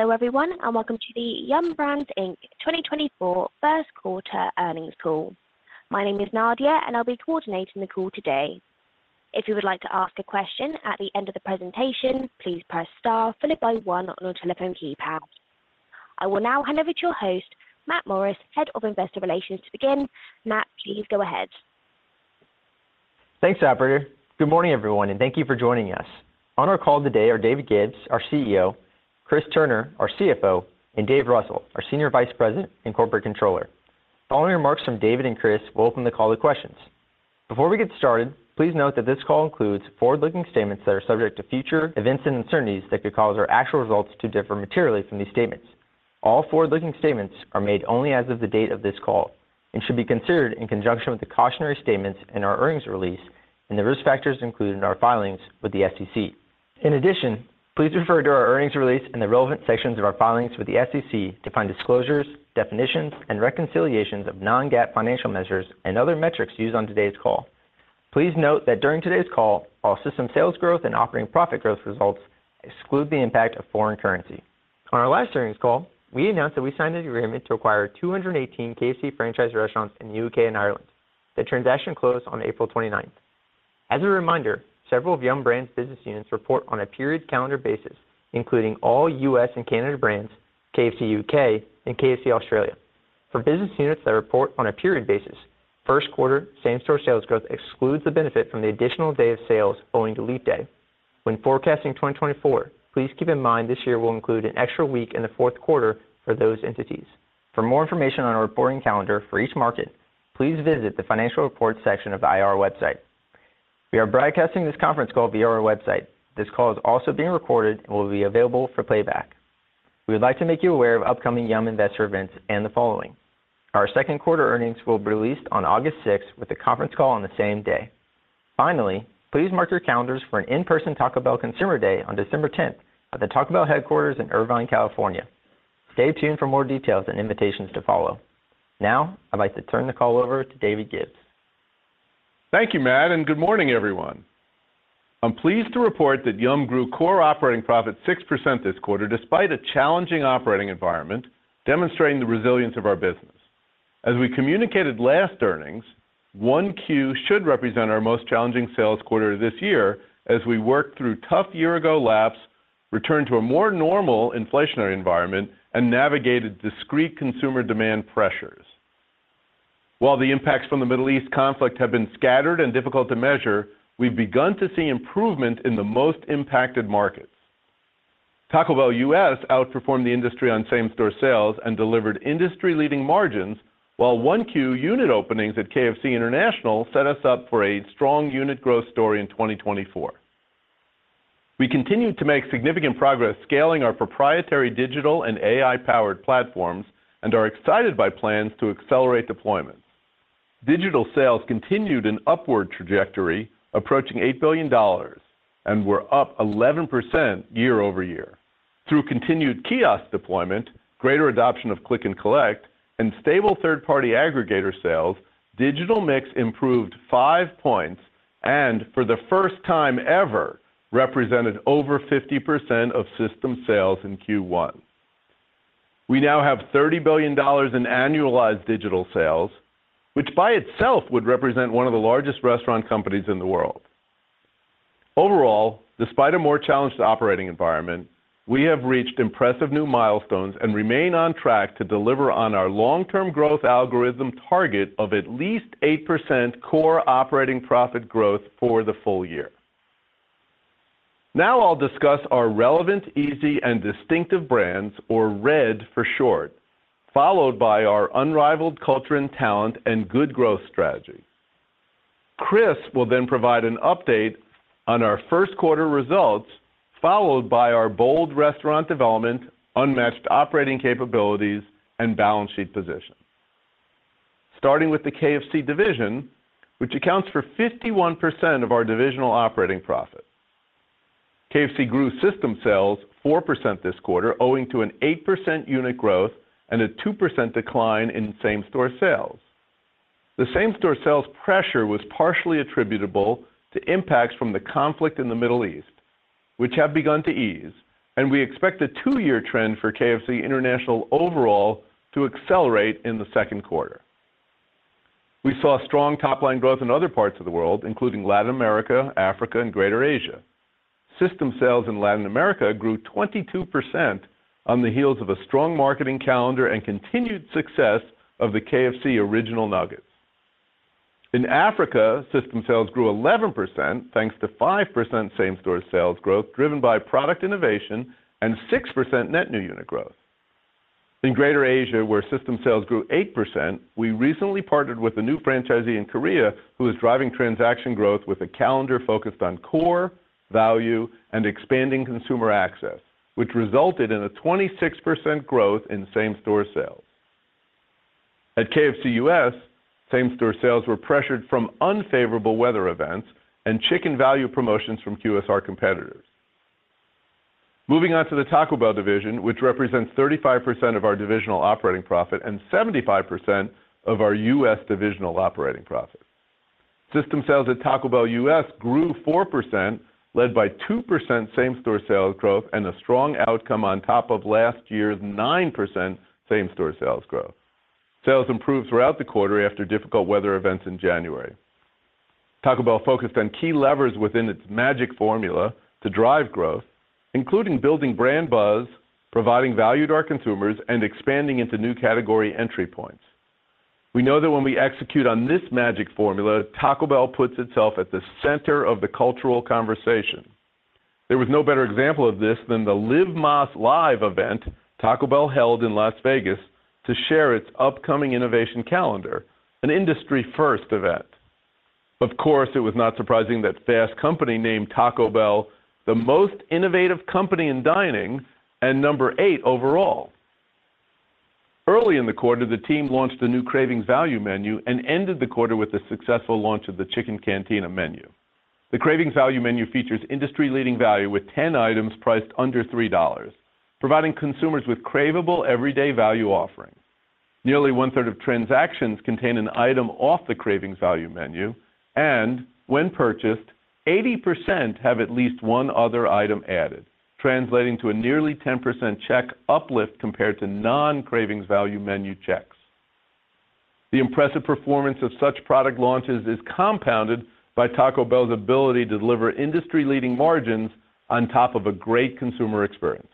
Hello, everyone, and welcome to the Yum! Brands, Inc. 2024 first quarter earnings call. My name is Nadia, and I'll be coordinating the call today. If you would like to ask a question at the end of the presentation, please press star followed by one on your telephone keypad. I will now hand over to your host, Matt Morris, Head of Investor Relations, to begin. Matt, please go ahead. Thanks, operator. Good morning, everyone, and thank you for joining us. On our call today are David Gibbs, our CEO, Chris Turner, our CFO, and Dave Russell, our Senior Vice President and Corporate Controller. Following remarks from David and Chris, we'll open the call to questions. Before we get started, please note that this call includes forward-looking statements that are subject to future events and uncertainties that could cause our actual results to differ materially from these statements. All forward-looking statements are made only as of the date of this call and should be considered in conjunction with the cautionary statements in our earnings release and the risk factors included in our filings with the SEC. In addition, please refer to our earnings release and the relevant sections of our filings with the SEC to find disclosures, definitions, and reconciliations of non-GAAP financial measures and other metrics used on today's call. Please note that during today's call, our system sales growth and operating profit growth results exclude the impact of foreign currency. On our last earnings call, we announced that we signed an agreement to acquire 218 KFC franchise restaurants in the U.K. and Ireland. The transaction closed on April 29th. As a reminder, several of Yum! Brands' business units report on a period calendar basis, including all U.S. and Canada brands, KFC U.K., and KFC Australia. For business units that report on a period basis, first quarter same-store sales growth excludes the benefit from the additional day of sales owing to leap day. When forecasting 2024, please keep in mind this year will include an extra week in the fourth quarter for those entities. For more information on our reporting calendar for each market, please visit the financial report section of the IR website. We are broadcasting this conference call via our website. This call is also being recorded and will be available for playback. We would like to make you aware of upcoming Yum investor events and the following. Our second quarter earnings will be released on August 6, with a conference call on the same day. Finally, please mark your calendars for an in-person Taco Bell Consumer Day on December 10 at the Taco Bell headquarters in Irvine, California. Stay tuned for more details and invitations to follow. Now, I'd like to turn the call over to David Gibbs. Thank you, Matt, and good morning, everyone. I'm pleased to report that Yum grew core operating profit 6% this quarter, despite a challenging operating environment, demonstrating the resilience of our business. As we communicated last earnings, 1Q should represent our most challenging sales quarter this year as we work through tough year-ago laps, return to a more normal inflationary environment, and navigated discrete consumer demand pressures. While the impacts from the Middle East conflict have been scattered and difficult to measure, we've begun to see improvement in the most impacted markets. Taco Bell U.S. outperformed the industry on same-store sales and delivered industry-leading margins, while 1Q unit openings at KFC International set us up for a strong unit growth story in 2024. We continued to make significant progress scaling our proprietary digital and AI-powered platforms and are excited by plans to accelerate deployment. Digital sales continued an upward trajectory, approaching $8 billion and were up 11% year-over-year. Through continued kiosk deployment, greater adoption of click and collect, and stable third-party aggregator sales, digital mix improved 5 points and, for the first time ever, represented over 50% of system sales in Q1. We now have $30 billion in annualized digital sales, which by itself would represent one of the largest restaurant companies in the world. Overall, despite a more challenged operating environment, we have reached impressive new milestones and remain on track to deliver on our long-term growth algorithm target of at least 8% core operating profit growth for the full year. Now I'll discuss our relevant, easy and distinctive brands, or RED for short, followed by our unrivaled culture and talent and good growth strategy. Chris will then provide an update on our first quarter results, followed by our bold restaurant development, unmatched operating capabilities, and balance sheet position. Starting with the KFC division, which accounts for 51% of our divisional operating profit. KFC grew system sales 4% this quarter, owing to an 8% unit growth and a 2% decline in same-store sales. The same-store sales pressure was partially attributable to impacts from the conflict in the Middle East, which have begun to ease, and we expect a 2-year trend for KFC International overall to accelerate in the second quarter. We saw strong top-line growth in other parts of the world, including Latin America, Africa, and Greater Asia. System sales in Latin America grew 22% on the heels of a strong marketing calendar and continued success of the KFC Original Nuggets. In Africa, system sales grew 11%, thanks to 5% same-store sales growth, driven by product innovation and 6% net new unit growth. In Greater Asia, where system sales grew 8%, we recently partnered with a new franchisee in Korea who is driving transaction growth with a calendar focused on core, value, and expanding consumer access, which resulted in a 26% growth in same-store sales. At KFC U.S., same-store sales were pressured from unfavorable weather events and chicken value promotions from QSR competitors. Moving on to the Taco Bell division, which represents 35% of our divisional operating profit and 75% of our U.S. divisional operating profit.... System sales at Taco Bell U.S. grew 4%, led by 2% same-store sales growth and a strong outcome on top of last year's 9% same-store sales growth. Sales improved throughout the quarter after difficult weather events in January. Taco Bell focused on key levers within its magic formula to drive growth, including building brand buzz, providing value to our consumers, and expanding into new category entry points. We know that when we execute on this magic formula, Taco Bell puts itself at the center of the cultural conversation. There was no better example of this than the Live Más Live event Taco Bell held in Las Vegas to share its upcoming innovation calendar, an industry-first event. Of course, it was not surprising that Fast Company named Taco Bell the most innovative company in dining and number eight overall. Early in the quarter, the team launched a new Cravings Value Menu and ended the quarter with the successful launch of the Cantina Chicken menu. The Cravings Value Menu features industry-leading value with 10 items priced under $3, providing consumers with craveable, everyday value offerings. Nearly one-third of transactions contain an item off the Cravings Value Menu, and when purchased, 80% have at least one other item added, translating to a nearly 10% check uplift compared to non-Cravings Value Menu checks. The impressive performance of such product launches is compounded by Taco Bell's ability to deliver industry-leading margins on top of a great consumer experience.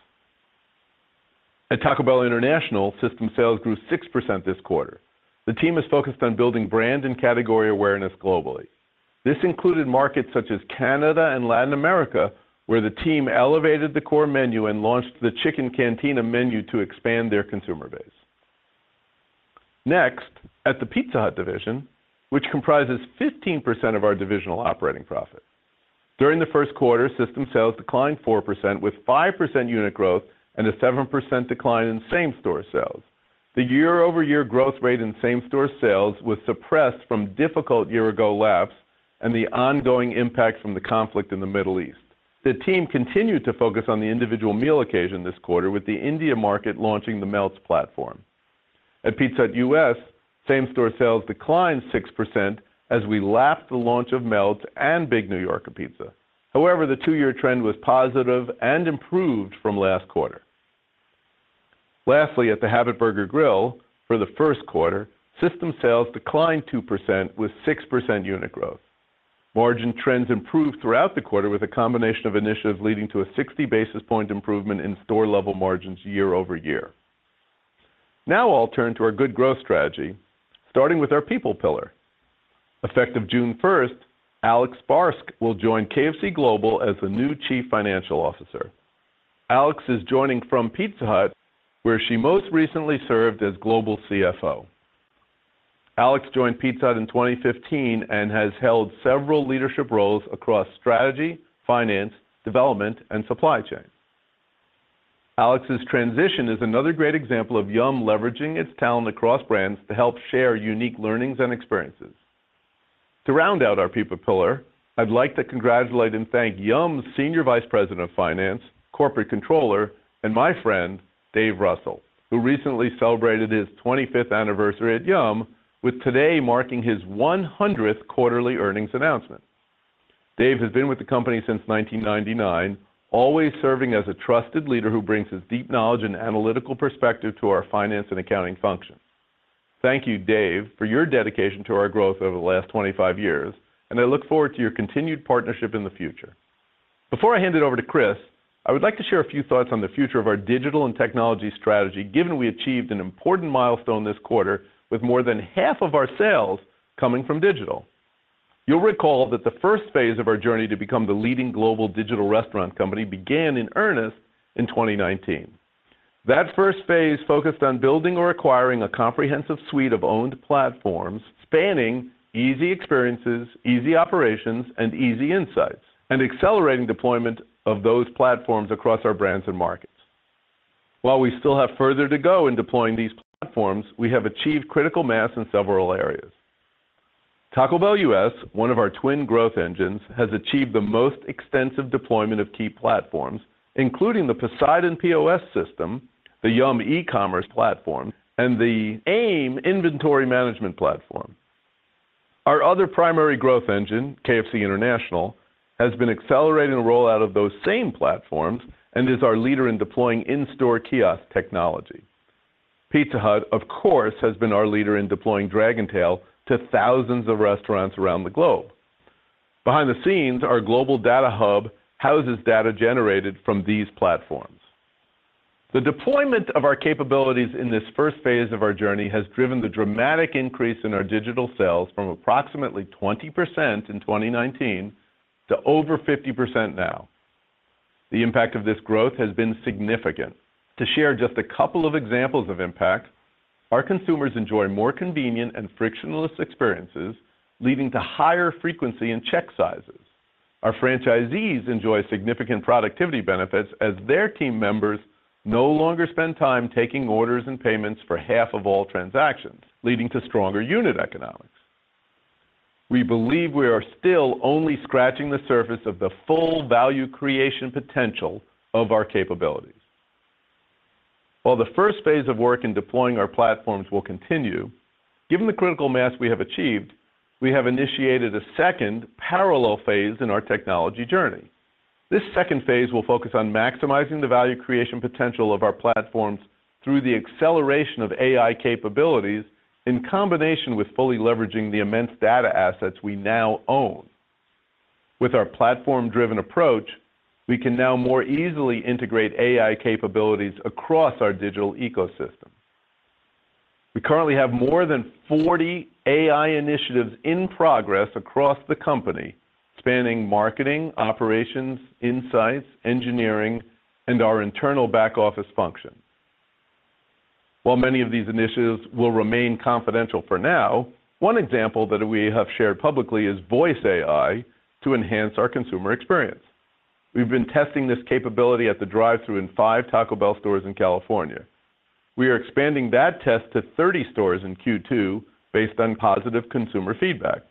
At Taco Bell International, system sales grew 6% this quarter. The team is focused on building brand and category awareness globally. This included markets such as Canada and Latin America, where the team elevated the core menu and launched the Cantina Chicken menu to expand their consumer base. Next, at the Pizza Hut division, which comprises 15% of our divisional operating profit. During the first quarter, system sales declined 4%, with 5% unit growth and a 7% decline in same-store sales. The year-over-year growth rate in same-store sales was suppressed from difficult year-ago lapse and the ongoing impact from the conflict in the Middle East. The team continued to focus on the individual meal occasion this quarter with the India market launching the Melts platform. At Pizza Hut U.S., same-store sales declined 6% as we lapped the launch of Melts and Big New Yorker Pizza. However, the two-year trend was positive and improved from last quarter. Lastly, at The Habit Burger Grill, for the first quarter, system sales declined 2% with 6% unit growth. Margin trends improved throughout the quarter with a combination of initiatives leading to a 60 basis points improvement in store-level margins year-over-year. Now I'll turn to our Good growth strategy, starting with our people pillar. Effective June first, Alex Barsk will join KFC Global as the new Chief Financial Officer. Alex is joining from Pizza Hut, where she most recently served as Global CFO. Alex joined Pizza Hut in 2015 and has held several leadership roles across strategy, finance, development, and supply chain. Alex's transition is another great example of Yum! leveraging its talent across brands to help share unique learnings and experiences. To round out our people pillar, I'd like to congratulate and thank Yum's Senior Vice President of Finance, Corporate Controller, and my friend, Dave Russell, who recently celebrated his 25th anniversary at Yum, with today marking his 100th quarterly earnings announcement. Dave has been with the company since 1999, always serving as a trusted leader who brings his deep knowledge and analytical perspective to our finance and accounting function. Thank you, Dave, for your dedication to our growth over the last 25 years, and I look forward to your continued partnership in the future. Before I hand it over to Chris, I would like to share a few thoughts on the future of our digital and technology strategy, given we achieved an important milestone this quarter with more than half of our sales coming from digital. You'll recall that the first phase of our journey to become the leading global digital restaurant company began in earnest in 2019. That first phase focused on building or acquiring a comprehensive suite of owned platforms, spanning easy experiences, easy operations, and easy insights, and accelerating deployment of those platforms across our brands and markets. While we still have further to go in deploying these platforms, we have achieved critical mass in several areas. Taco Bell US, one of our twin growth engines, has achieved the most extensive deployment of key platforms, including the Poseidon POS system, the Yum! e-commerce platform, and the AIM inventory management platform. Our other primary growth engine, KFC International, has been accelerating the rollout of those same platforms and is our leader in deploying in-store kiosk technology. Pizza Hut, of course, has been our leader in deploying DragonTail to thousands of restaurants around the globe. Behind the scenes, our global data hub houses data generated from these platforms. The deployment of our capabilities in this first phase of our journey has driven the dramatic increase in our digital sales from approximately 20% in 2019 to over 50% now. The impact of this growth has been significant. To share just a couple of examples of impact, our consumers enjoy more convenient and frictionless experiences, leading to higher frequency in check sizes. Our franchisees enjoy significant productivity benefits as their team members no longer spend time taking orders and payments for half of all transactions, leading to stronger unit economics. We believe we are still only scratching the surface of the full value creation potential of our capabilities. While the first phase of work in deploying our platforms will continue, given the critical mass we have achieved, we have initiated a second parallel phase in our technology journey. This second phase will focus on maximizing the value creation potential of our platforms through the acceleration of AI capabilities in combination with fully leveraging the immense data assets we now own. With our platform-driven approach, we can now more easily integrate AI capabilities across our digital ecosystem. We currently have more than 40 AI initiatives in progress across the company, spanning marketing, operations, insights, engineering, and our internal back-office functions. While many of these initiatives will remain confidential for now, one example that we have shared publicly is Voice AI to enhance our consumer experience. We've been testing this capability at the drive-thru in 5 Taco Bell stores in California. We are expanding that test to 30 stores in Q2 based on positive consumer feedback.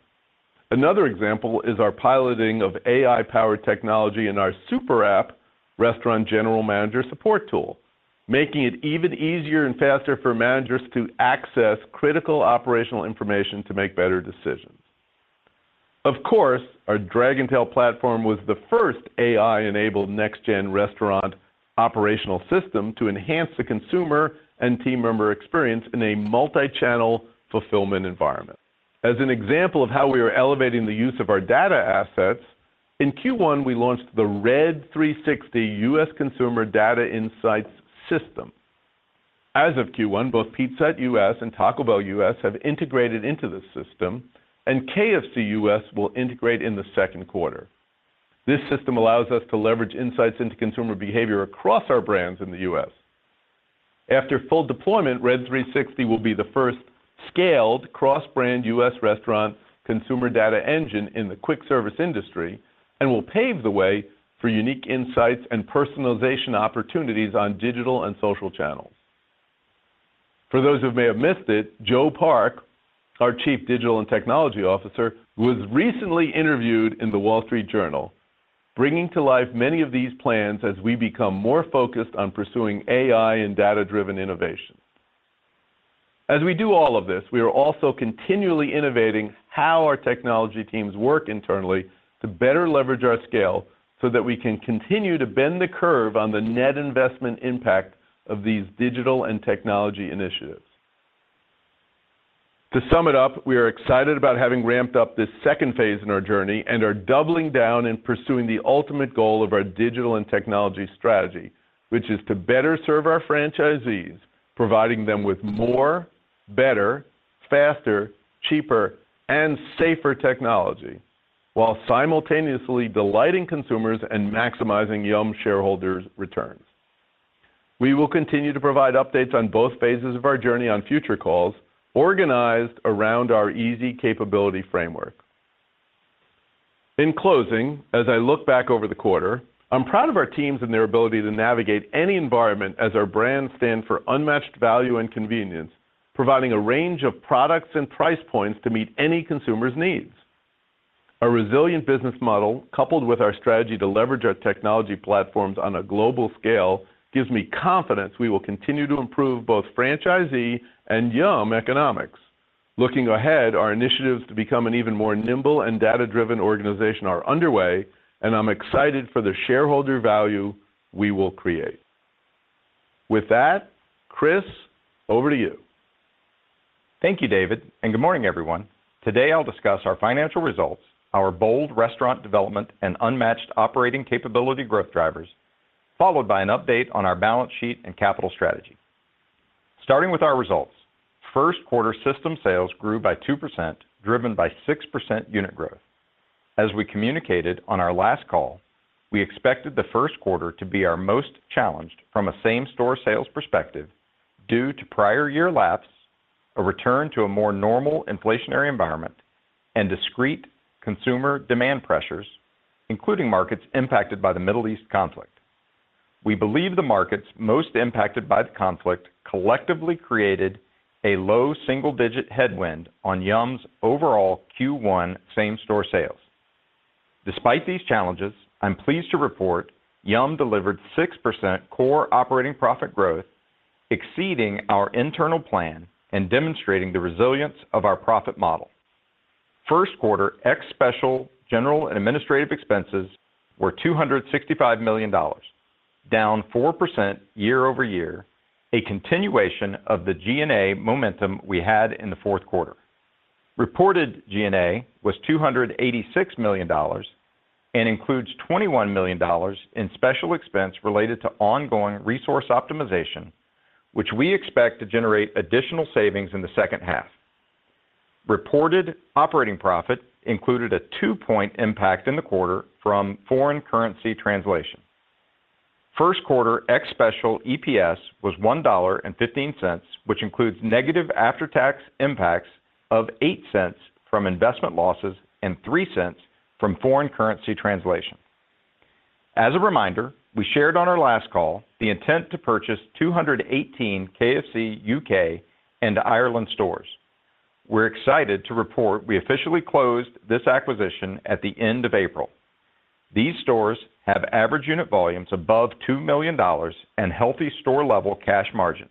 Another example is our piloting of AI-powered technology in our Super App restaurant general manager support tool, making it even easier and faster for managers to access critical operational information to make better decisions. Of course, our DragonTail platform was the first AI-enabled next-gen restaurant operational system to enhance the consumer and team member experience in a multi-channel fulfillment environment. As an example of how we are elevating the use of our data assets, in Q1, we launched the RED 360 US Consumer Data Insights system. As of Q1, both Pizza Hut US and Taco Bell US have integrated into the system, and KFC US will integrate in the second quarter. This system allows us to leverage insights into consumer behavior across our brands in the US. After full deployment, RED 360 will be the first scaled cross-brand US restaurant consumer data engine in the quick-service industry and will pave the way for unique insights and personalization opportunities on digital and social channels. For those who may have missed it, Joe Park, our Chief Digital and Technology Officer, was recently interviewed in The Wall Street Journal, bringing to life many of these plans as we become more focused on pursuing AI and data-driven innovation. As we do all of this, we are also continually innovating how our technology teams work internally to better leverage our scale so that we can continue to bend the curve on the net investment impact of these digital and technology initiatives. To sum it up, we are excited about having ramped up this second phase in our journey and are doubling down and pursuing the ultimate goal of our digital and technology strategy, which is to better serve our franchisees, providing them with more, better, faster, cheaper, and safer technology, while simultaneously delighting consumers and maximizing Yum! shareholders' returns. We will continue to provide updates on both phases of our journey on future calls, organized around our easy capability framework. In closing, as I look back over the quarter, I'm proud of our teams and their ability to navigate any environment as our brands stand for unmatched value and convenience, providing a range of products and price points to meet any consumer's needs. Our resilient business model, coupled with our strategy to leverage our technology platforms on a global scale, gives me confidence we will continue to improve both franchisee and Yum economics. Looking ahead, our initiatives to become an even more nimble and data-driven organization are underway, and I'm excited for the shareholder value we will create. With that, Chris, over to you. Thank you, David, and good morning, everyone. Today, I'll discuss our financial results, our bold restaurant development, and unmatched operating capability growth drivers, followed by an update on our balance sheet and capital strategy. Starting with our results, first quarter system sales grew by 2%, driven by 6% unit growth. As we communicated on our last call, we expected the first quarter to be our most challenged from a same-store sales perspective due to prior year lapse, a return to a more normal inflationary environment, and discrete consumer demand pressures, including markets impacted by the Middle East conflict. We believe the markets most impacted by the conflict collectively created a low single-digit headwind on Yum's overall Q1 same-store sales. Despite these challenges, I'm pleased to report Yum delivered 6% core operating profit growth, exceeding our internal plan and demonstrating the resilience of our profit model. First quarter ex-special General and Administrative expenses were $265 million, down 4% year-over-year, a continuation of the G&A momentum we had in the fourth quarter. Reported G&A was $286 million and includes $21 million in special expense related to ongoing resource optimization, which we expect to generate additional savings in the second half. Reported operating profit included a 2-point impact in the quarter from foreign currency translation. First quarter ex-special EPS was $1.15, which includes negative after-tax impacts of $0.08 from investment losses and $0.03 from foreign currency translation. As a reminder, we shared on our last call the intent to purchase 218 KFC U.K. and Ireland stores. We're excited to report we officially closed this acquisition at the end of April. These stores have average unit volumes above $2 million and healthy store-level cash margins.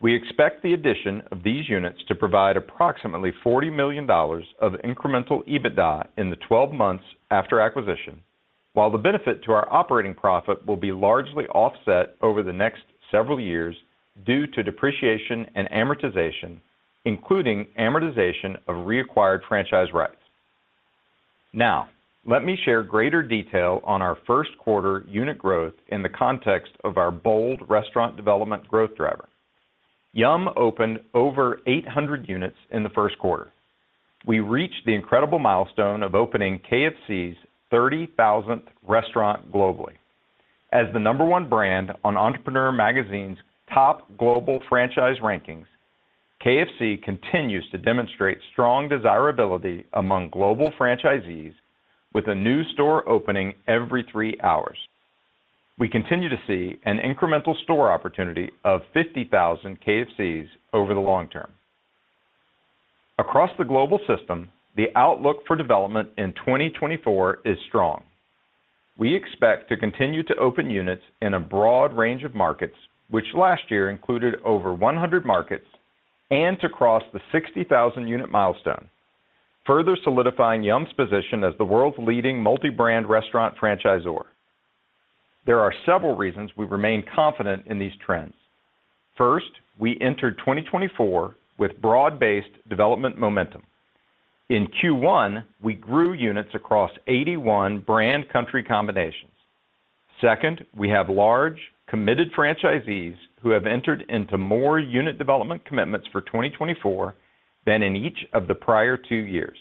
We expect the addition of these units to provide approximately $40 million of incremental EBITDA in the 12 months after acquisition, while the benefit to our operating profit will be largely offset over the next several years due to depreciation and amortization, including amortization of reacquired franchise rights. Now, let me share greater detail on our first quarter unit growth in the context of our bold restaurant development growth driver. Yum! opened over 800 units in the first quarter. We reached the incredible milestone of opening KFC's 30,000th restaurant globally. As the number one brand on Entrepreneur Magazine's top global franchise rankings, KFC continues to demonstrate strong desirability among global franchisees with a new store opening every 3 hours. We continue to see an incremental store opportunity of 50,000 KFCs over the long term. Across the global system, the outlook for development in 2024 is strong. We expect to continue to open units in a broad range of markets, which last year included over 100 markets, and to cross the 60,000 unit milestone, further solidifying Yum's position as the world's leading multi-brand restaurant franchisor. There are several reasons we remain confident in these trends. First, we entered 2024 with broad-based development momentum. In Q1, we grew units across 81 brand country combinations. Second, we have large, committed franchisees who have entered into more unit development commitments for 2024 than in each of the prior two years.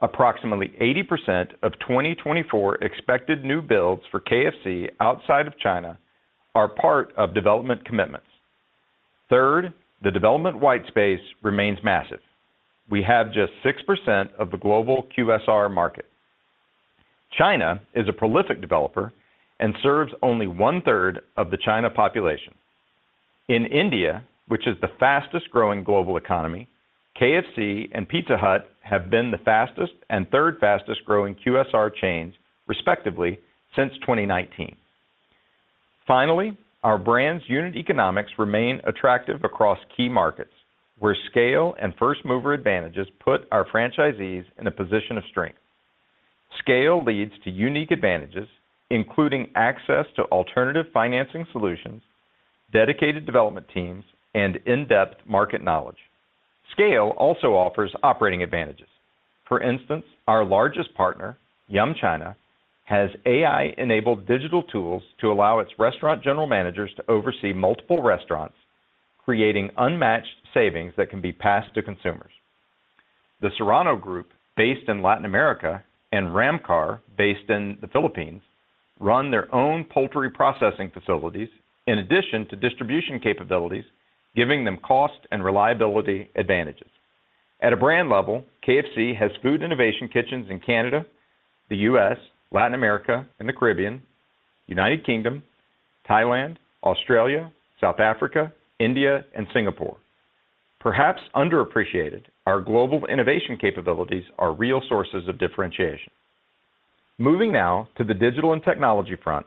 Approximately 80% of 2024 expected new builds for KFC outside of China are part of development commitments. Third, the development white space remains massive. We have just 6% of the global QSR market. China is a prolific developer and serves only one-third of the China population. In India, which is the fastest-growing global economy, KFC and Pizza Hut have been the fastest and third fastest-growing QSR chains, respectively, since 2019. Finally, our brands' unit economics remain attractive across key markets, where scale and first-mover advantages put our franchisees in a position of strength. Scale leads to unique advantages, including access to alternative financing solutions, dedicated development teams, and in-depth market knowledge. Scale also offers operating advantages. For instance, our largest partner, Yum China, has AI-enabled digital tools to allow its restaurant general managers to oversee multiple restaurants, creating unmatched savings that can be passed to consumers. The Serna Group, based in Latin America, and Ramcar, based in the Philippines, run their own poultry processing facilities in addition to distribution capabilities, giving them cost and reliability advantages. At a brand level, KFC has food innovation kitchens in Canada, the U.S., Latin America and the Caribbean, United Kingdom, Thailand, Australia, South Africa, India, and Singapore. Perhaps underappreciated, our global innovation capabilities are real sources of differentiation. Moving now to the digital and technology front,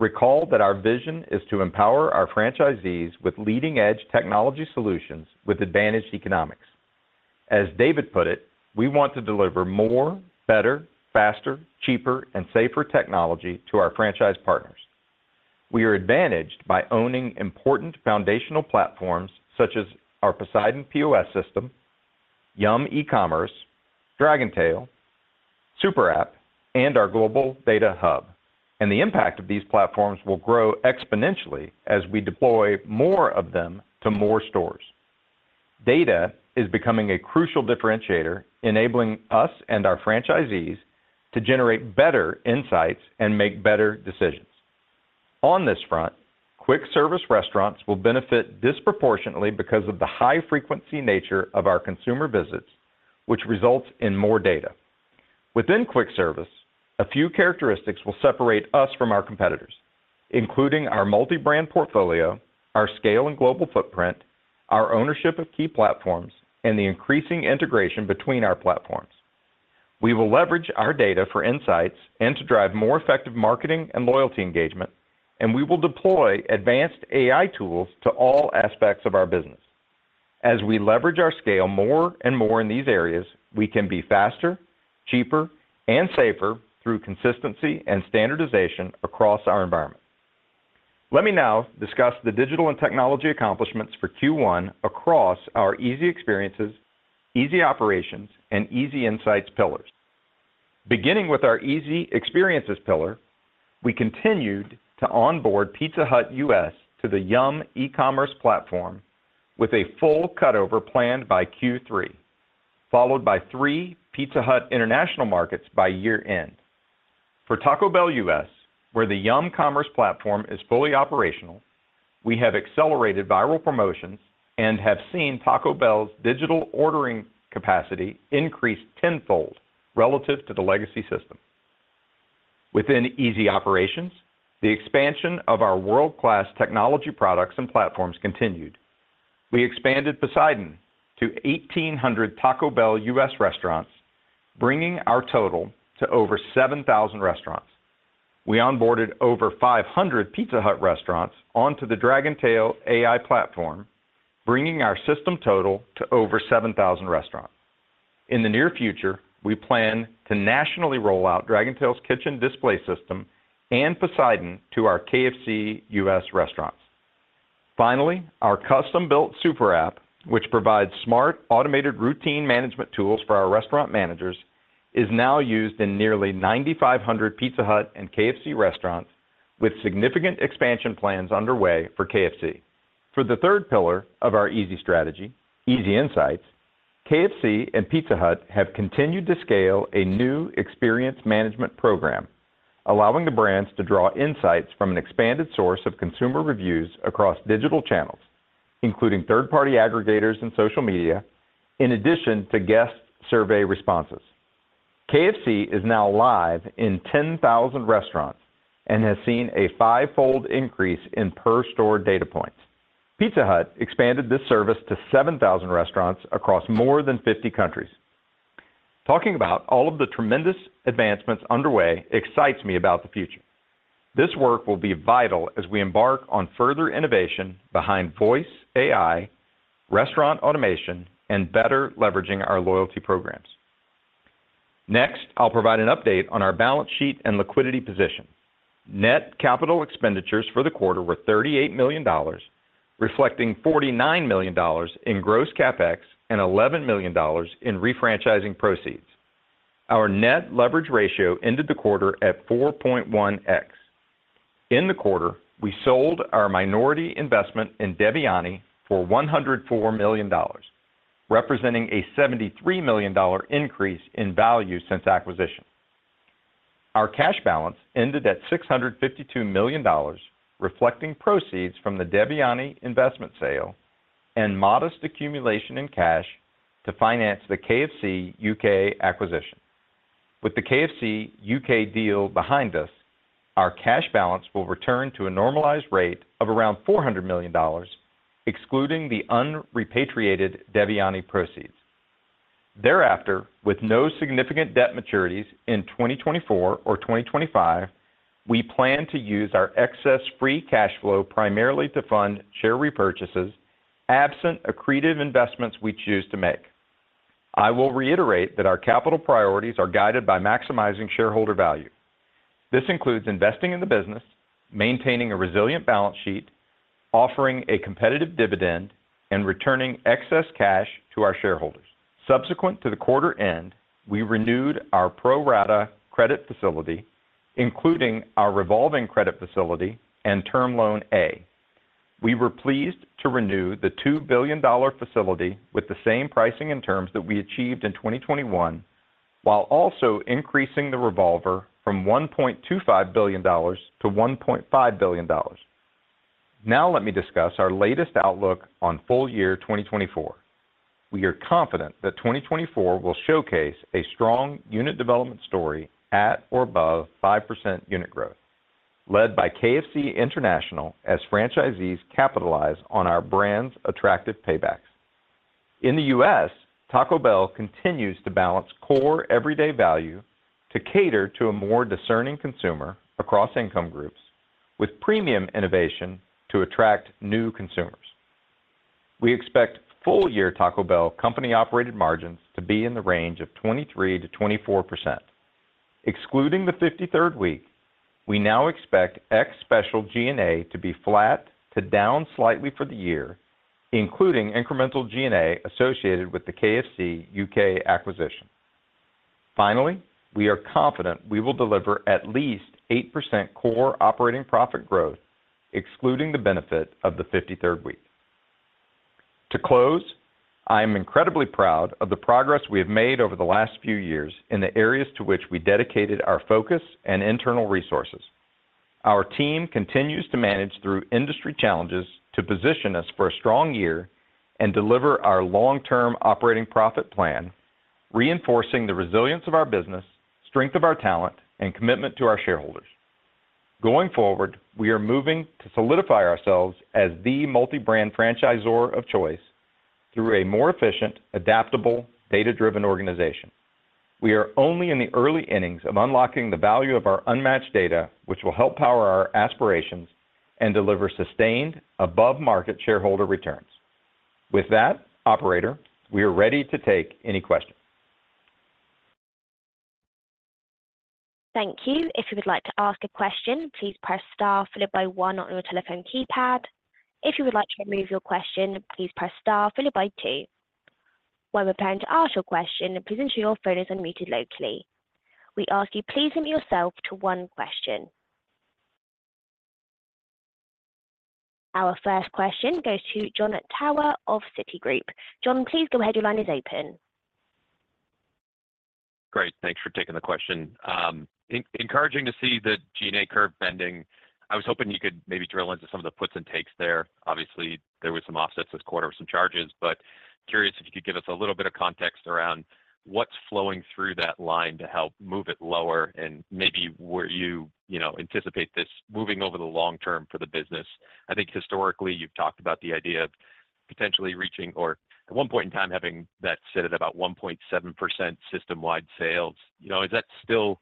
recall that our vision is to empower our franchisees with leading-edge technology solutions with advantage economics. As David put it, we want to deliver more, better, faster, cheaper, and safer technology to our franchise partners. We are advantaged by owning important foundational platforms such as our Poseidon POS system, Yum! Commerce, DragonTail, Super App, and our global data hub, and the impact of these platforms will grow exponentially as we deploy more of them to more stores. Data is becoming a crucial differentiator, enabling us and our franchisees to generate better insights and make better decisions. On this front, quick-service restaurants will benefit disproportionately because of the high-frequency nature of our consumer visits, which results in more data. Within quick service, a few characteristics will separate us from our competitors, including our multi-brand portfolio, our scale and global footprint, our ownership of key platforms, and the increasing integration between our platforms. We will leverage our data for insights and to drive more effective marketing and loyalty engagement, and we will deploy advanced AI tools to all aspects of our business. As we leverage our scale more and more in these areas, we can be faster, cheaper, and safer through consistency and standardization across our environment. Let me now discuss the digital and technology accomplishments for Q1 across our easy experiences, easy operations, and easy insights pillars. Beginning with our easy experiences pillar, we continued to onboard Pizza Hut US to the Yum! Commerce platform with a full cutover planned by Q3, followed by three Pizza Hut international markets by year-end. For Taco Bell US, where the Yum! Commerce platform is fully operational, we have accelerated viral promotions and have seen Taco Bell's digital ordering capacity increase tenfold relative to the legacy system. Within easy operations, the expansion of our world-class technology products and platforms continued…. We expanded Poseidon to 1,800 Taco Bell US restaurants, bringing our total to over 7,000 restaurants. We onboarded over 500 Pizza Hut restaurants onto the DragonTail AI platform, bringing our system total to over 7,000 restaurants. In the near future, we plan to nationally roll out DragonTail's Kitchen Display System and Poseidon to our KFC US restaurants. Finally, our custom-built Super App, which provides smart, automated routine management tools for our restaurant managers, is now used in nearly 9,500 Pizza Hut and KFC restaurants, with significant expansion plans underway for KFC. For the third pillar of our easy strategy, easy insights, KFC and Pizza Hut have continued to scale a new experience management program, allowing the brands to draw insights from an expanded source of consumer reviews across digital channels, including third-party aggregators and social media, in addition to guest survey responses. KFC is now live in 10,000 restaurants and has seen a fivefold increase in per store data points. Pizza Hut expanded this service to 7,000 restaurants across more than 50 countries. Talking about all of the tremendous advancements underway excites me about the future. This work will be vital as we embark on further innovation behind voice AI, restaurant automation, and better leveraging our loyalty programs. Next, I'll provide an update on our balance sheet and liquidity position. Net capital expenditures for the quarter were $38 million, reflecting $49 million in gross CapEx and $11 million in refranchising proceeds. Our net leverage ratio ended the quarter at 4.1x. In the quarter, we sold our minority investment in Devyani for $104 million, representing a $73 million increase in value since acquisition. Our cash balance ended at $652 million, reflecting proceeds from the Devyani investment sale and modest accumulation in cash to finance the KFC UK acquisition. With the KFC UK deal behind us, our cash balance will return to a normalized rate of around $400 million, excluding the unrepatriated Devyani proceeds. Thereafter, with no significant debt maturities in 2024 or 2025, we plan to use our excess free cash flow primarily to fund share repurchases, absent accretive investments we choose to make. I will reiterate that our capital priorities are guided by maximizing shareholder value. This includes investing in the business, maintaining a resilient balance sheet, offering a competitive dividend, and returning excess cash to our shareholders. Subsequent to the quarter end, we renewed our pro rata credit facility, including our revolving credit facility and Term Loan A. We were pleased to renew the $2 billion facility with the same pricing and terms that we achieved in 2021, while also increasing the revolver from $1.25 billion to $1.5 billion. Now let me discuss our latest outlook on full year 2024. We are confident that 2024 will showcase a strong unit development story at or above 5% unit growth, led by KFC International as franchisees capitalize on our brand's attractive paybacks. In the U.S., Taco Bell continues to balance core everyday value to cater to a more discerning consumer across income groups with premium innovation to attract new consumers. We expect full year Taco Bell company-operated margins to be in the range of 23%-24%. Excluding the 53rd week, we now expect ex special G&A to be flat to down slightly for the year, including incremental G&A associated with the KFC UK acquisition. Finally, we are confident we will deliver at least 8% core operating profit growth, excluding the benefit of the 53rd week. To close, I am incredibly proud of the progress we have made over the last few years in the areas to which we dedicated our focus and internal resources. Our team continues to manage through industry challenges to position us for a strong year and deliver our long-term operating profit plan, reinforcing the resilience of our business, strength of our talent, and commitment to our shareholders. Going forward, we are moving to solidify ourselves as the multi-brand franchisor of choice through a more efficient, adaptable, data-driven organization. We are only in the early innings of unlocking the value of our unmatched data, which will help power our aspirations and deliver sustained above-market shareholder returns. With that, operator, we are ready to take any questions. Thank you. If you would like to ask a question, please press star followed by one on your telephone keypad. If you would like to remove your question, please press star followed by two. When preparing to ask your question, please ensure your phone is unmuted locally. We ask you please limit yourself to one question. Our first question goes to Jon Tower of Citigroup. Jon, please go ahead. Your line is open. Great, thanks for taking the question. Encouraging to see the G&A curve bending. I was hoping you could maybe drill into some of the puts and takes there. Obviously, there was some offsets this quarter with some trade-... charges, but curious if you could give us a little bit of context around what's flowing through that line to help move it lower, and maybe where you, you know, anticipate this moving over the long term for the business. I think historically, you've talked about the idea of potentially reaching, or at one point in time, having that sit at about 1.7% system-wide sales. You know, is that still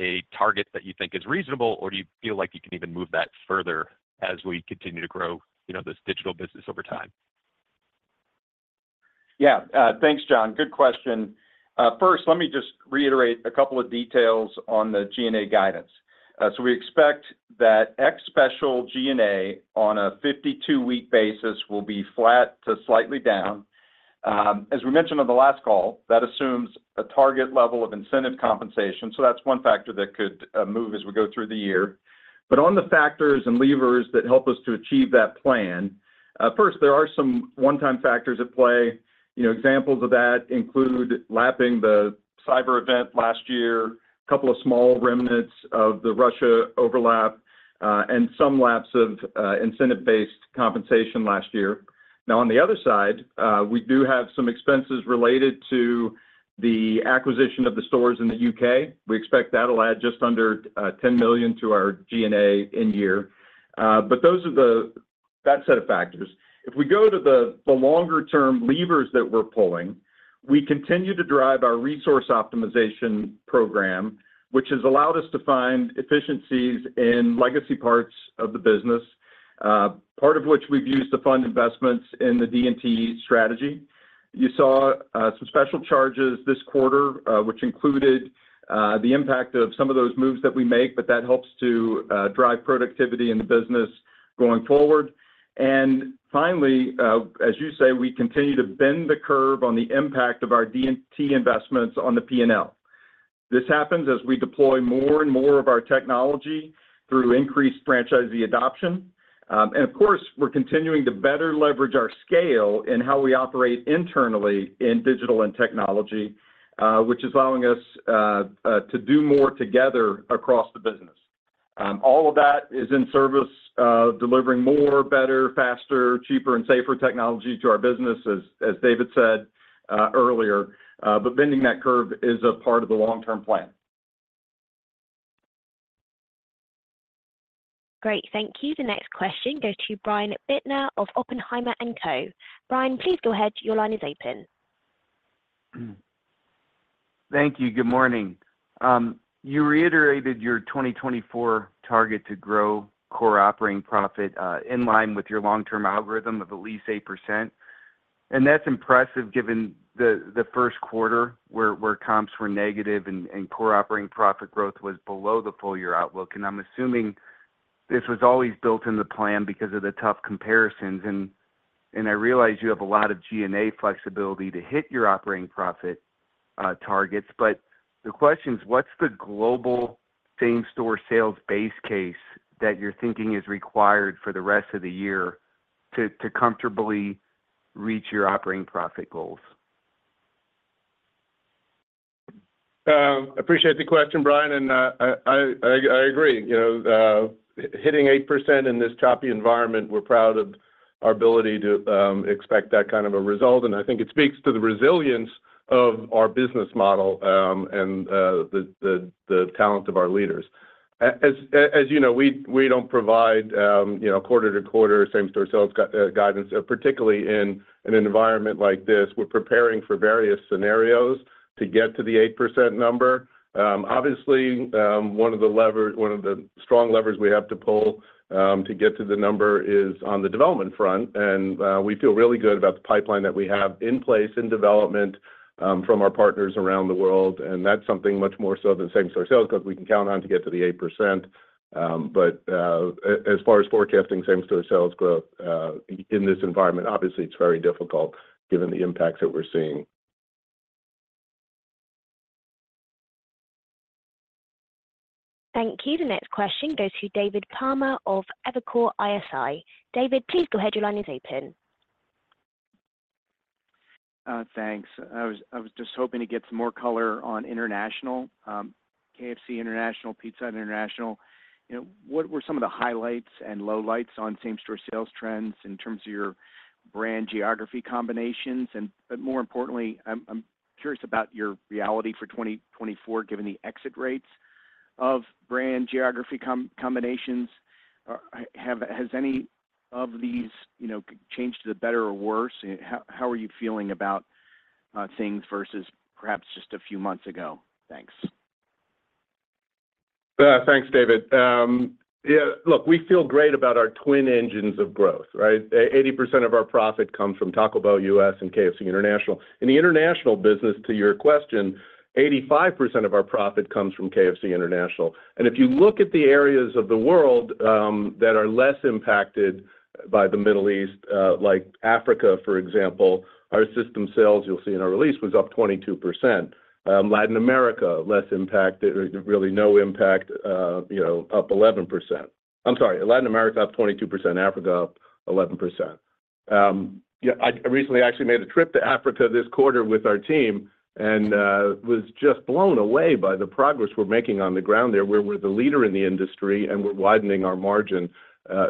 a target that you think is reasonable, or do you feel like you can even move that further as we continue to grow, you know, this digital business over time? Yeah, thanks, John. Good question. First, let me just reiterate a couple of details on the G&A guidance. So we expect that ex-Special G&A on a 52-week basis will be flat to slightly down. As we mentioned on the last call, that assumes a target level of incentive compensation, so that's one factor that could move as we go through the year. But on the factors and levers that help us to achieve that plan, first, there are some one-time factors at play. You know, examples of that include lapping the cyber event last year, a couple of small remnants of the Russia overlap, and some laps of incentive-based compensation last year. Now, on the other side, we do have some expenses related to the acquisition of the stores in the U.K. We expect that'll add just under $10 million to our G&A in year. But those are that set of factors. If we go to the longer term levers that we're pulling, we continue to drive our resource optimization program, which has allowed us to find efficiencies in legacy parts of the business, part of which we've used to fund investments in the D&T strategy. You saw some special charges this quarter, which included the impact of some of those moves that we make, but that helps to drive productivity in the business going forward. And finally, as you say, we continue to bend the curve on the impact of our D&T investments on the P&L. This happens as we deploy more and more of our technology through increased franchisee adoption. Of course, we're continuing to better leverage our scale in how we operate internally in digital and technology, which is allowing us to do more together across the business. All of that is in service of delivering more, better, faster, cheaper, and safer technology to our business, as David said earlier, but bending that curve is a part of the long-term plan. Great. Thank you. The next question goes to Brian Bittner of Oppenheimer & Co. Brian, please go ahead. Your line is open. Thank you. Good morning. You reiterated your 2024 target to grow core operating profit in line with your long-term algorithm of at least 8%, and that's impressive given the first quarter, where comps were negative and core operating profit growth was below the full year outlook. I'm assuming this was always built in the plan because of the tough comparisons, and I realize you have a lot of G&A flexibility to hit your operating profit targets. But the question is, what's the global same-store sales base case that you're thinking is required for the rest of the year to comfortably reach your operating profit goals? Appreciate the question, Brian, and I agree. You know, hitting 8% in this choppy environment, we're proud of our ability to expect that kind of a result, and I think it speaks to the resilience of our business model, and the talent of our leaders. As you know, we don't provide, you know, quarter-to-quarter same-store sales guidance, particularly in an environment like this. We're preparing for various scenarios to get to the 8% number. Obviously, one of the lever... One of the strong levers we have to pull to get to the number is on the development front, and we feel really good about the pipeline that we have in place in development from our partners around the world, and that's something much more so than same-store sales, because we can count on to get to the 8%. But as far as forecasting same-store sales growth in this environment, obviously it's very difficult given the impacts that we're seeing. Thank you. The next question goes to David Palmer of Evercore ISI. David, please go ahead. Your line is open. Thanks. I was just hoping to get some more color on international, KFC International, Pizza Hut International. You know, what were some of the highlights and lowlights on same-store sales trends in terms of your brand geography combinations? And but more importantly, I'm curious about your reality for 2024, given the exit rates of brand geography combinations. Has any of these, you know, changed for the better or worse? How are you feeling about things versus perhaps just a few months ago? Thanks. Thanks, David. Yeah, look, we feel great about our twin engines of growth, right? 80% of our profit comes from Taco Bell US and KFC International. In the international business, to your question, 85% of our profit comes from KFC International. And if you look at the areas of the world that are less impacted by the Middle East, like Africa, for example, our system sales, you'll see in our release, was up 22%. Latin America, less impacted, or really no impact, you know, up 11%. I'm sorry, Latin America, up 22%. Africa, up 11%. Yeah, I recently actually made a trip to Africa this quarter with our team and was just blown away by the progress we're making on the ground there, where we're the leader in the industry, and we're widening our margin....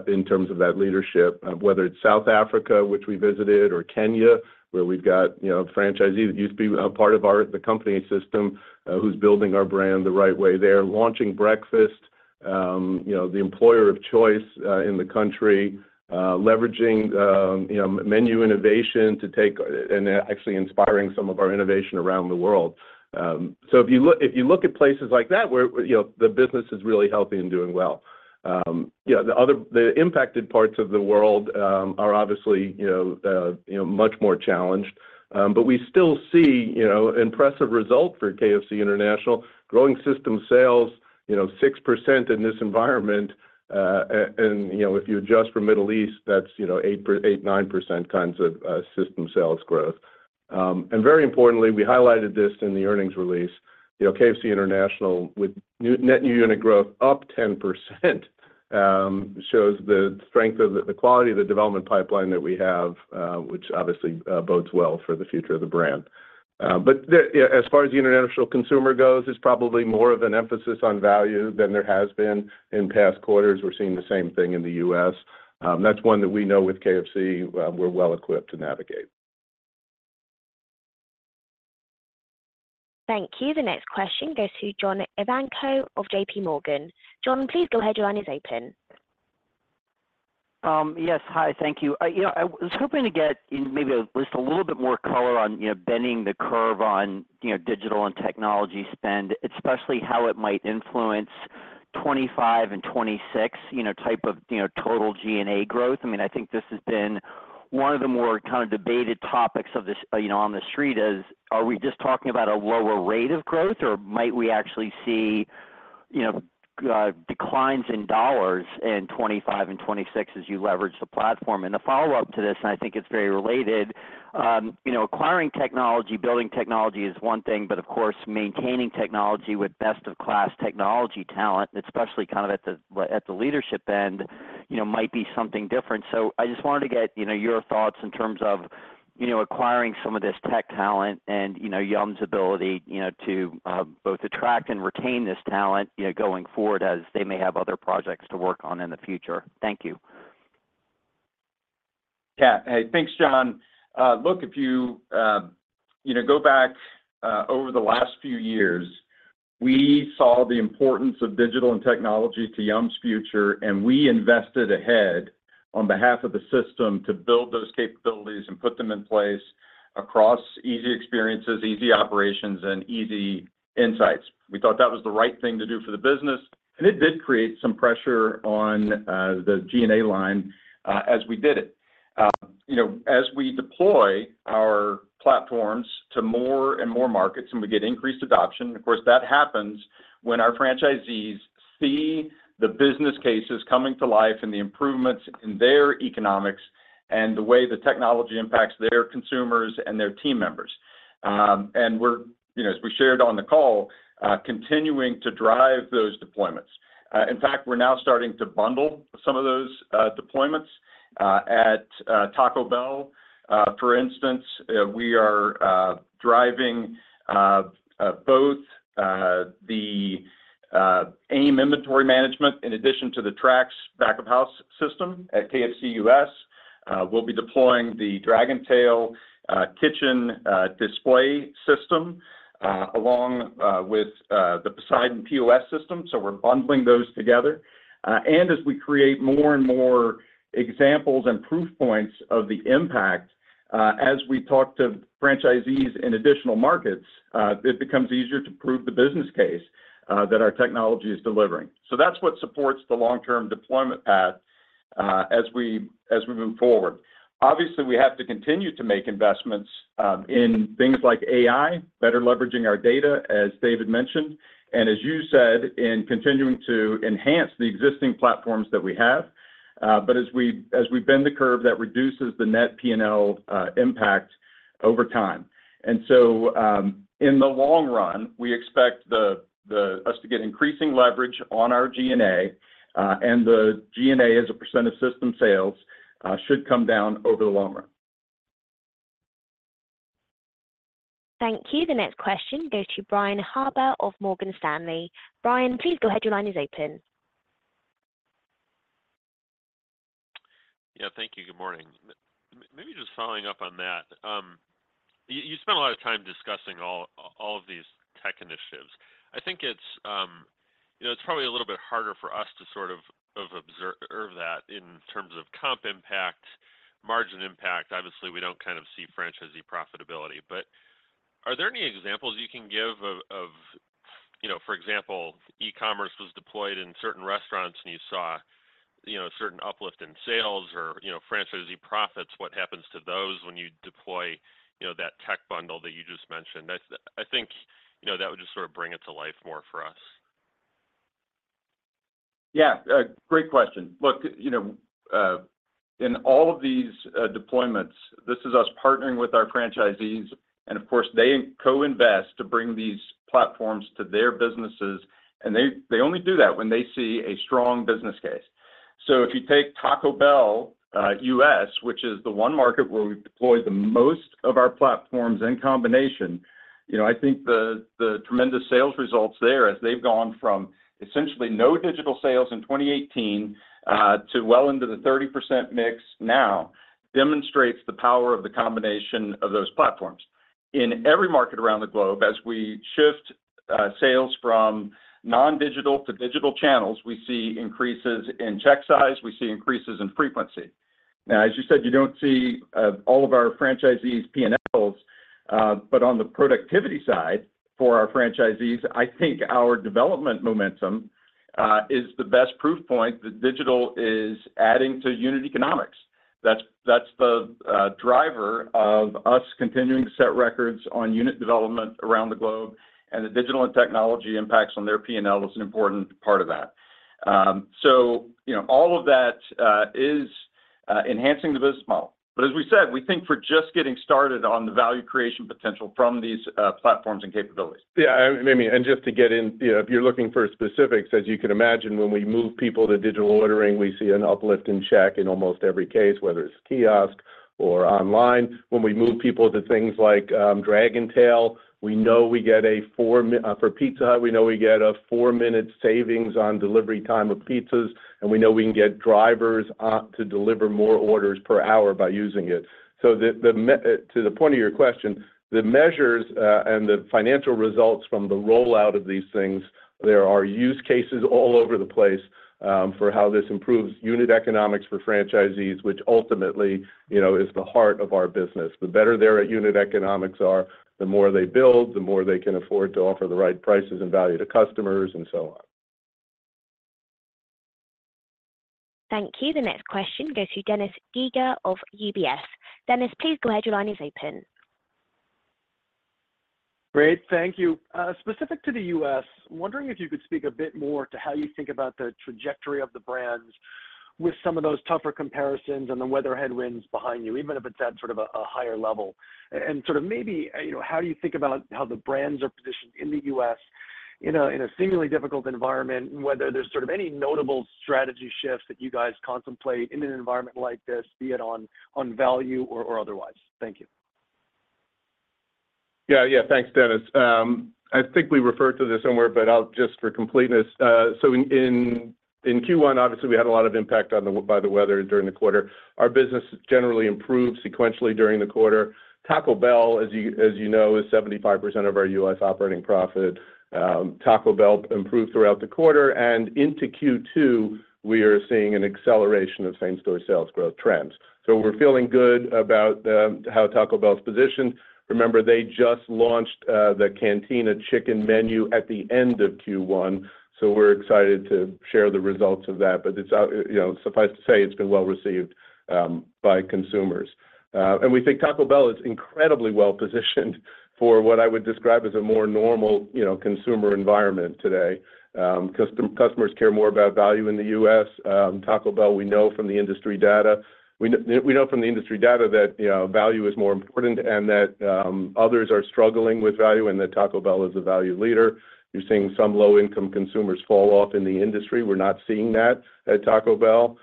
In terms of that leadership, whether it's South Africa, which we visited, or Kenya, where we've got, you know, franchisees that used to be a part of the company system, who's building our brand the right way there. Launching breakfast, you know, the employer of choice in the country, leveraging the, you know, menu innovation to take and actually inspiring some of our innovation around the world. So if you look, if you look at places like that, where, you know, the business is really healthy and doing well. Yeah, the impacted parts of the world are obviously, you know, much more challenged, but we still see, you know, impressive result for KFC International. Growing system sales, you know, 6% in this environment, and, you know, if you adjust for Middle East, that's, you know, 8%-9% kinds of system sales growth. And very importantly, we highlighted this in the earnings release, you know, KFC International, with net new unit growth up 10%, shows the strength of the quality of the development pipeline that we have, which obviously bodes well for the future of the brand. But as far as the international consumer goes, it's probably more of an emphasis on value than there has been in past quarters. We're seeing the same thing in the U.S. That's one that we know with KFC, we're well-equipped to navigate. Thank you. The next question goes to John Ivanko of J.P. Morgan. John, please go ahead. Your line is open. Yes. Hi, thank you. You know, I was hoping to get maybe at least a little bit more color on, you know, bending the curve on, you know, digital and technology spend, especially how it might influence 2025 and 2026, you know, type of, you know, total GNA growth. I mean, I think this has been one of the more kind of debated topics of this, you know, on the street, is, are we just talking about a lower rate of growth, or might we actually see, you know, declines in dollars in 2025 and 2026 as you leverage the platform? And the follow-up to this, and I think it's very related, you know, acquiring technology, building technology is one thing, but of course, maintaining technology with best-of-class technology talent, especially kind of at the leadership end, you know, might be something different. I just wanted to get, you know, your thoughts in terms of, you know, acquiring some of this tech talent and, you know, Yum!'s ability, you know, to both attract and retain this talent, you know, going forward, as they may have other projects to work on in the future. Thank you. Yeah. Hey, thanks, John. Look, if you, you know, go back over the last few years, we saw the importance of digital and technology to Yum's future, and we invested ahead on behalf of the system to build those capabilities and put them in place across easy experiences, easy operations, and easy insights. We thought that was the right thing to do for the business, and it did create some pressure on the G&A line as we did it. You know, as we deploy our platforms to more and more markets and we get increased adoption, of course, that happens when our franchisees see the business cases coming to life and the improvements in their economics and the way the technology impacts their consumers and their team members. And we're, you know, as we shared on the call, continuing to drive those deployments. In fact, we're now starting to bundle some of those deployments at Taco Bell. For instance, we are driving both the AIM inventory management, in addition to the Trax back-of-house system at KFC US. We'll be deploying the DragonTail kitchen display system along with the Poseidon POS system, so we're bundling those together. And as we create more and more examples and proof points of the impact, as we talk to franchisees in additional markets, it becomes easier to prove the business case that our technology is delivering. So that's what supports the long-term deployment path as we, as we move forward. Obviously, we have to continue to make investments in things like AI, better leveraging our data, as David mentioned, and as you said, in continuing to enhance the existing platforms that we have. But as we bend the curve, that reduces the net PNL impact over time. So, in the long run, we expect us to get increasing leverage on our GNA, and the GNA, as a percent of system sales, should come down over the long run. Thank you. The next question goes to Brian Harbour of Morgan Stanley. Brian, please go ahead. Your line is open. Yeah, thank you. Good morning. Maybe just following up on that, you spent a lot of time discussing all of these tech initiatives. I think it's, you know, it's probably a little bit harder for us to sort of observe that in terms of comp impact, margin impact. Obviously, we don't kind of see franchisee profitability, but are there any examples you can give of, you know, for example, e-commerce was deployed in certain restaurants, and you saw a certain uplift in sales or franchisee profits? What happens to those when you deploy that tech bundle that you just mentioned? That's. I think, you know, that would just sort of bring it to life more for us. Yeah, great question. Look, you know, in all of these deployments, this is us partnering with our franchisees, and of course, they co-invest to bring these platforms to their businesses, and they, they only do that when they see a strong business case. So if you take Taco Bell U.S., which is the one market where we've deployed the most of our platforms in combination- ... You know, I think the tremendous sales results there, as they've gone from essentially no digital sales in 2018 to well into the 30% mix now, demonstrates the power of the combination of those platforms. In every market around the globe, as we shift sales from non-digital to digital channels, we see increases in check size, we see increases in frequency. Now, as you said, you don't see all of our franchisees' P&Ls, but on the productivity side, for our franchisees, I think our development momentum is the best proof point that digital is adding to unit economics. That's the driver of us continuing to set records on unit development around the globe, and the digital and technology impacts on their P&L is an important part of that. So, you know, all of that is enhancing the business model. But as we said, we think we're just getting started on the value creation potential from these platforms and capabilities. Yeah, maybe, and just to get in, you know, if you're looking for specifics, as you can imagine, when we move people to digital ordering, we see an uplift in check in almost every case, whether it's kiosk or online. When we move people to things like Dragontail, we know we get a 4-minute savings on delivery time of pizzas for Pizza Hut, and we know we can get drivers to deliver more orders per hour by using it. So to the point of your question, the measures and the financial results from the rollout of these things, there are use cases all over the place for how this improves unit economics for franchisees, which ultimately, you know, is the heart of our business. The better their unit economics are, the more they build, the more they can afford to offer the right prices and value to customers, and so on. Thank you. The next question goes to Dennis Geiger of UBS. Dennis, please go ahead. Your line is open. Great, thank you. Specific to the U.S., wondering if you could speak a bit more to how you think about the trajectory of the brands with some of those tougher comparisons and the weather headwinds behind you, even if it's at sort of a higher level. And sort of maybe, you know, how you think about how the brands are positioned in the U.S. in a seemingly difficult environment, and whether there's sort of any notable strategy shifts that you guys contemplate in an environment like this, be it on value or otherwise. Thank you. Yeah. Yeah, thanks, Dennis. I think we referred to this somewhere, but I'll just for completeness. So in Q1, obviously, we had a lot of impact by the weather during the quarter. Our business generally improved sequentially during the quarter. Taco Bell, as you know, is 75% of our U.S. operating profit. Taco Bell improved throughout the quarter and into Q2, we are seeing an acceleration of same-store sales growth trends. So we're feeling good about how Taco Bell is positioned. Remember, they just launched the Cantina Chicken Menu at the end of Q1, so we're excited to share the results of that. But it's, you know, suffice to say, it's been well-received by consumers. And we think Taco Bell is incredibly well-positioned for what I would describe as a more normal, you know, consumer environment today. Customers care more about value in the U.S. Taco Bell, we know from the industry data that, you know, value is more important and that others are struggling with value, and that Taco Bell is a value leader. You're seeing some low-income consumers fall off in the industry. We're not seeing that at Taco Bell.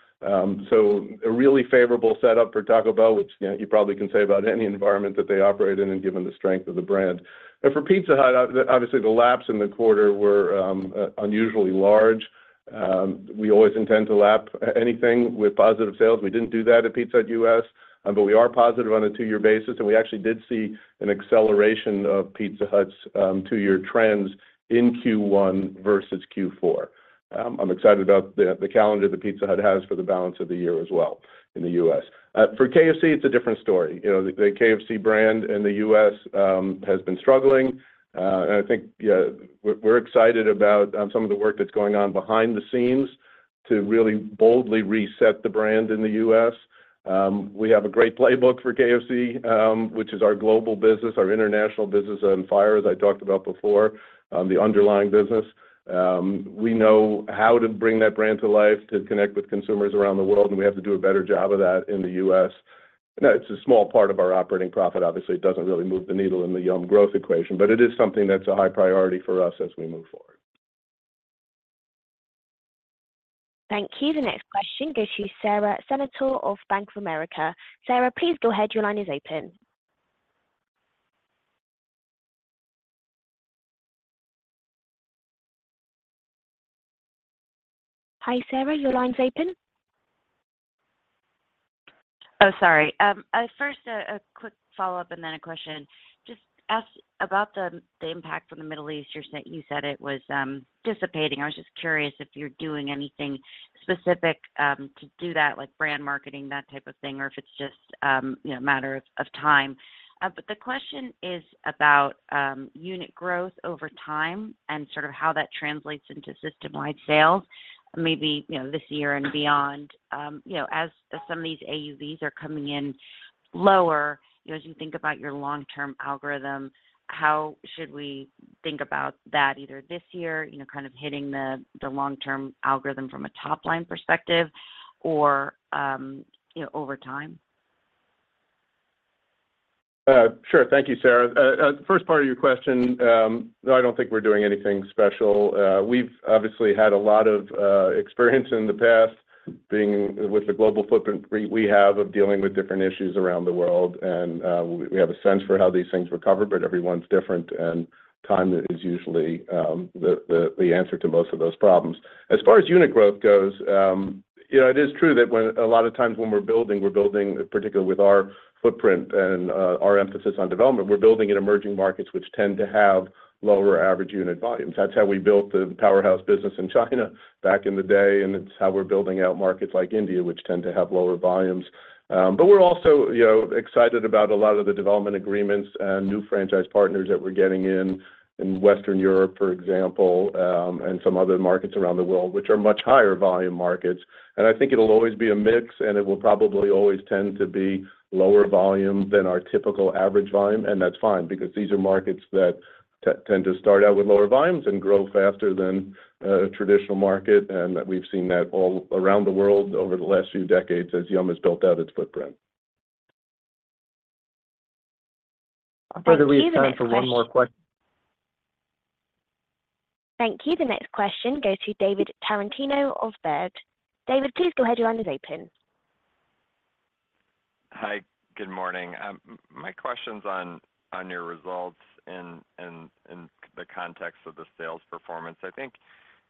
So a really favorable setup for Taco Bell, which, you know, you probably can say about any environment that they operate in and given the strength of the brand. But for Pizza Hut, obviously, the laps in the quarter were unusually large. We always intend to lap anything with positive sales. We didn't do that at Pizza Hut US, but we are positive on a two-year basis, and we actually did see an acceleration of Pizza Hut's two-year trends in Q1 versus Q4. I'm excited about the calendar that Pizza Hut has for the balance of the year as well in the US. For KFC, it's a different story. You know, the KFC brand in the US has been struggling, and I think, yeah, we're excited about some of the work that's going on behind the scenes to really boldly reset the brand in the US. We have a great playbook for KFC, which is our global business, our international business on fire, as I talked about before, the underlying business. We know how to bring that brand to life, to connect with consumers around the world, and we have to do a better job of that in the U.S. You know, it's a small part of our operating profit. Obviously, it doesn't really move the needle in the Yum growth equation, but it is something that's a high priority for us as we move forward. Thank you. The next question goes to Sara Senatore of Bank of America. Sara, please go ahead. Your line is open. Hi, Sara, your line is open? Oh, sorry. First, a quick follow-up and then a question. Just ask about the impact from the Middle East. You said it was dissipating. I was just curious if you're doing anything specific to do that, like brand marketing, that type of thing, or if it's just you know, a matter of time. But the question is about unit growth over time and sort of how that translates into system-wide sales, maybe, you know, this year and beyond. You know, as some of these AUVs are coming in lower, you know, as you think about your long-term algorithm, how should we think about that, either this year, you know, kind of hitting the long-term algorithm from a top-line perspective or you know, over time? ... Sure. Thank you, Sara. The first part of your question, I don't think we're doing anything special. We've obviously had a lot of experience in the past, being with the global footprint we have of dealing with different issues around the world. And we have a sense for how these things recover, but everyone's different, and time is usually the answer to most of those problems. As far as unit growth goes, you know, it is true that when a lot of times when we're building, we're building, particularly with our footprint and our emphasis on development, we're building in emerging markets, which tend to have lower average unit volumes. That's how we built the powerhouse business in China back in the day, and it's how we're building out markets like India, which tend to have lower volumes. But we're also, you know, excited about a lot of the development agreements and new franchise partners that we're getting in, in Western Europe, for example, and some other markets around the world, which are much higher volume markets. And I think it'll always be a mix, and it will probably always tend to be lower volume than our typical average volume. And that's fine because these are markets that tend to start out with lower volumes and grow faster than a traditional market, and that we've seen that all around the world over the last few decades as Yum! has built out its footprint. Thank you. The next question- Whether we have time for one more question? Thank you. The next question goes to David Tarantino of Baird. David, please go ahead. Your line is open. Hi, good morning. My question's on your results in the context of the sales performance. I think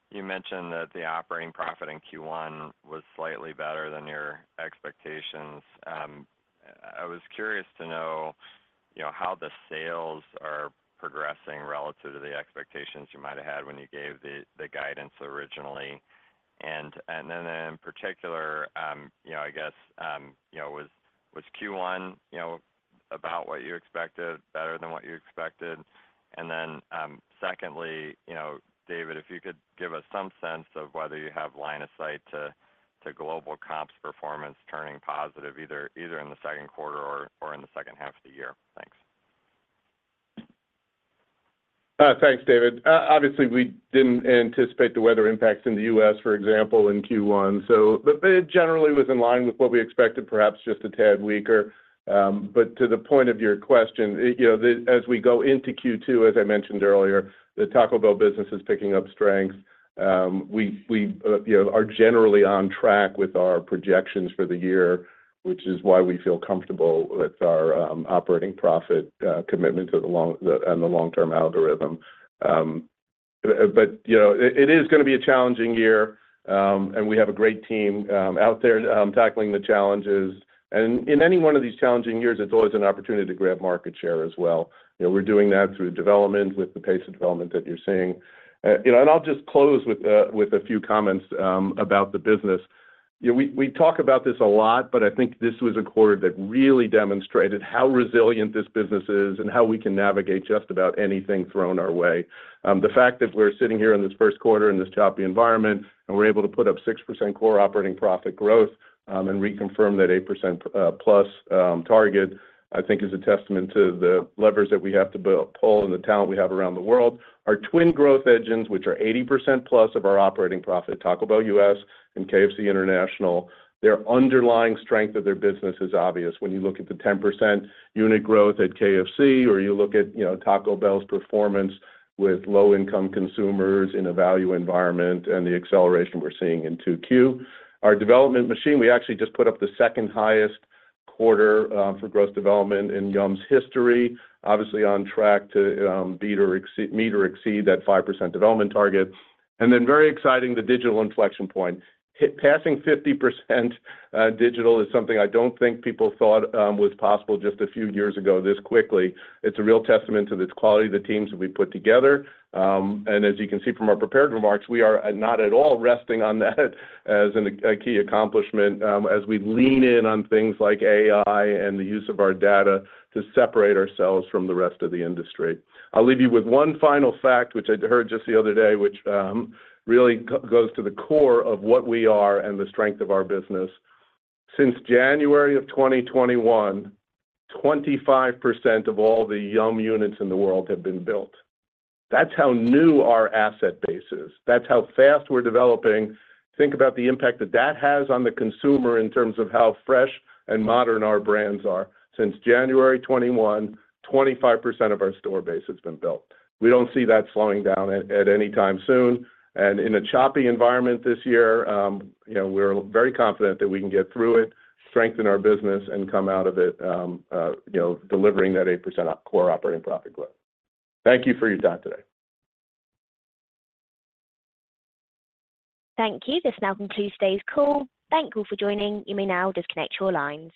you mentioned that the operating profit in Q1 was slightly better than your expectations. I was curious to know, you know, how the sales are progressing relative to the expectations you might have had when you gave the guidance originally. And then in particular, you know, I guess, you know, was Q1, you know, about what you expected, better than what you expected? And then, secondly, you know, David, if you could give us some sense of whether you have line of sight to global comps performance turning positive, either in the second quarter or in the second half of the year. Thanks. Thanks, David. Obviously, we didn't anticipate the weather impacts in the U.S., for example, in Q1, so, but it generally was in line with what we expected, perhaps just a tad weaker. But to the point of your question, you know, as we go into Q2, as I mentioned earlier, the Taco Bell business is picking up strength. We, you know, are generally on track with our projections for the year, which is why we feel comfortable with our operating profit commitment to the long- and long-term algorithm. But, you know, it is going to be a challenging year, and we have a great team out there tackling the challenges. And in any one of these challenging years, it's always an opportunity to grab market share as well. You know, we're doing that through development, with the pace of development that you're seeing. You know, and I'll just close with a, with a few comments about the business. You know, we, we talk about this a lot, but I think this was a quarter that really demonstrated how resilient this business is and how we can navigate just about anything thrown our way. The fact that we're sitting here in this first quarter, in this choppy environment, and we're able to put up 6% core operating profit growth, and reconfirm that 8%+ target, I think is a testament to the levers that we have to pull and the talent we have around the world. Our twin growth engines, which are 80%+ of our operating profit, Taco Bell US and KFC International, their underlying strength of their business is obvious. When you look at the 10% unit growth at KFC, or you look at, you know, Taco Bell's performance with low-income consumers in a value environment and the acceleration we're seeing in 2Q. Our development machine, we actually just put up the second highest quarter for gross development in Yum!'s history. Obviously, on track to beat or meet or exceed that 5% development target. And then very exciting, the digital inflection point. Passing 50% digital is something I don't think people thought was possible just a few years ago, this quickly. It's a real testament to the quality of the teams that we put together. And as you can see from our prepared remarks, we are not at all resting on that as an, a key accomplishment, as we lean in on things like AI and the use of our data to separate ourselves from the rest of the industry. I'll leave you with one final fact, which I'd heard just the other day, which really goes to the core of what we are and the strength of our business. Since January 2021, 25% of all the Yum! units in the world have been built. That's how new our asset base is. That's how fast we're developing. Think about the impact that that has on the consumer in terms of how fresh and modern our brands are. Since January 2021, 25% of our store base has been built. We don't see that slowing down at any time soon. And in a choppy environment this year, you know, we're very confident that we can get through it, strengthen our business, and come out of it, you know, delivering that 8% core operating profit growth. Thank you for your time today. Thank you. This now concludes today's call. Thank you for joining. You may now disconnect your lines.